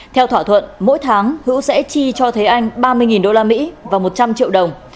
theo thỏa thuận mỗi tháng hữu sẽ chi cho thế anh ba mươi usd và một trăm linh triệu đồng